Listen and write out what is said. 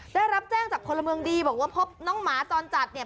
ได้รับแจ้งจากพลเมืองดีบอกว่าพบน้องหมาจรจัดเนี่ย